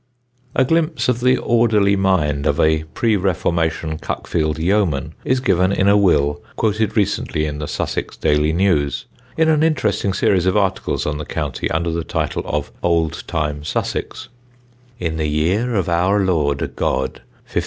[Sidenote: OLD WILLS] A glimpse of the orderly mind of a pre Reformation Cuckfield yeoman is given in a will quoted recently in the Sussex Daily News, in an interesting series of articles on the county under the title of "Old time Sussex": "In the yere of our lorde god 1545.